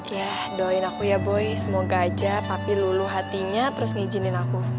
ya doain aku ya boy semoga aja papi lulu hatinya terus ngizinin aku